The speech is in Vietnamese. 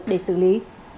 để xử lý